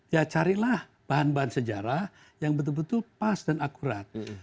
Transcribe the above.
ya carilah bahan bahan sejarah yang betul betul pas dan akurat